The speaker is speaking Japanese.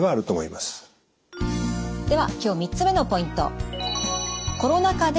では今日３つ目のポイント。